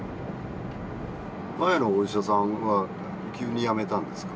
前のお医者さんは急にやめたんですか？